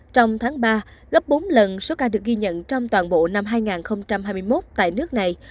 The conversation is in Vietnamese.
trong tháng ba gấp bốn lần số ca được ghi nhận trong toàn bộ năm hai nghìn hai mươi một tại nước này